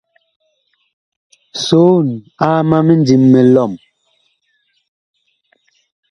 Soon aa ma mindim mi lɔm.